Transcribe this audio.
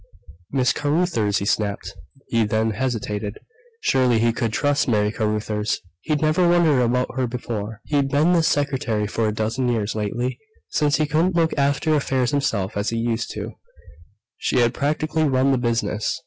"Miss Carruthers!" he snapped. Then he hesitated. Surely, he could trust Mary Carruthers! He'd never wondered about her before. She'd been his secretary for a dozen years lately, since he couldn't look after affairs himself as he used to, she had practically run the business.